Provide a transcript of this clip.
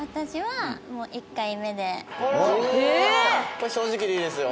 これ正直でいいですよ。